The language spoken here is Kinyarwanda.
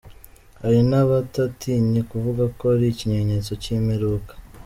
Hari n’abatatinye kuvuga ko ari ikimenyetso cy’imperuka.